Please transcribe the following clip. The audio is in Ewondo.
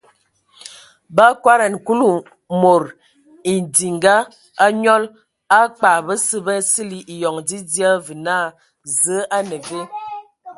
Ba akodan Kulu mod edinga a nyal a kpag basə ba sili eyoŋ dzidzia və naa: Zǝ a ne ve ?.